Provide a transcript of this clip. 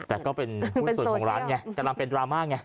แต่ก็เป็นหุ้นส่วนของร้านไงกำลังเป็นดราม่าไง